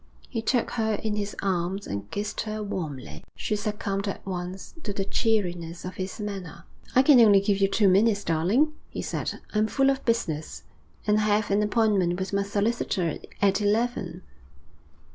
He took her in his arms and kissed her warmly. She succumbed at once to the cheeriness of his manner. 'I can only give you two minutes, darling,' he said. 'I'm full of business, and I have an appointment with my solicitor at eleven.'